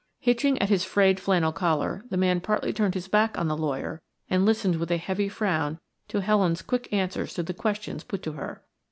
Hitching at his frayed flannel collar, the man partly turned his back on the lawyer and listened with a heavy frown to Helen's quick answers to the questions put to her.